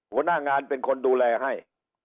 หัวหน้างานเป็นคนดูแลให้